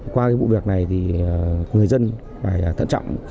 qua cái vụ việc này thì người dân phải thận trọng